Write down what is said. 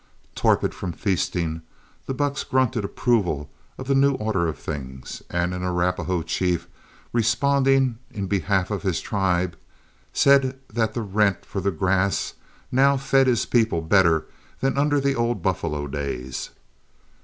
Torpid from feasting, the bucks grunted approval of the new order of things, and an Arapahoe chief, responding in behalf of his tribe, said that the rent from the grass now fed his people better than under the old buffalo days.